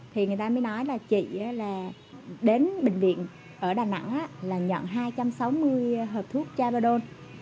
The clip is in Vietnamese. thì người ta mới nói là chị là đến bệnh viện ở đà nẵng là nhận hai trăm sáu mươi hộp thuốc chamardo